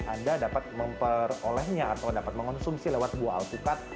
anda dapat memperolehnya atau dapat mengonsumsi lewat buah alpukat